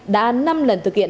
đã năm lần thực hiện